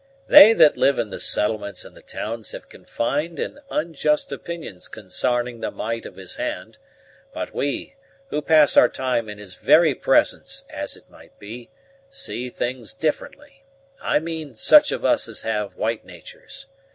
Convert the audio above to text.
"They that live in the settlements and the towns have confined and unjust opinions consarning the might of His hand; but we, who pass our time in His very presence, as it might be, see things differently I mean, such of us as have white natur's.